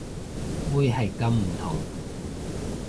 會係咁唔同